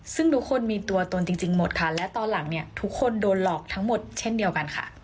ซึ่งทุกคนมีตัวตนจริงหมดค่ะและตอนหลังเนี่ยทุกคนโดนหลอกทั้งหมดเช่นเดียวกันค่ะ